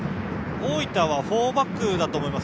大分はフォーバックだと思います。